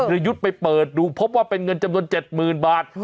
รยุทธ์ไปเปิดดูพบว่าเป็นเงินจำนวน๗๐๐๐บาท